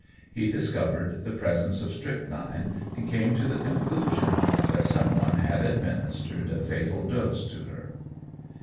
He discovered the presence of strychnine, and came to the conclusion that some one had administered a fatal dose to her.